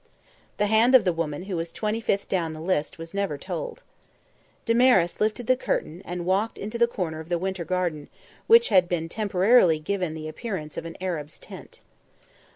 The hand of the woman who was twenty fifth down the list was never told. Damaris lifted the curtain, and walked into the corner of the Winter Garden, which had been temporarily given the appearance of an Arab's tent.